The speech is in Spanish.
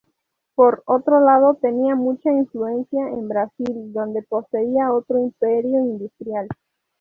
Por otro lado, tenía mucha influencia en Brasil, donde poseía otro imperio industrial.